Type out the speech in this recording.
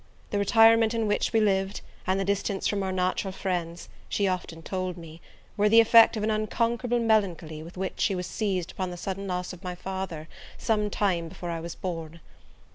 The retirement in which we lived, and the distance from our natural friends, she often told me, were the effect of an unconquerable melancholy with which she was seized upon the sudden loss of my father, some time before I was born.